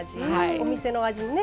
お店の味にね